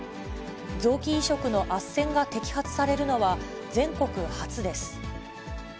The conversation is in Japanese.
臓器移植のあっせんが摘発されるのは、全国初です。